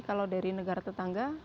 kalau dari negara tetangga